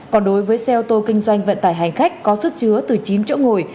còn đối với xe ô tô kinh doanh vận tải hành khách có sức chứa từ chín chỗ ngồi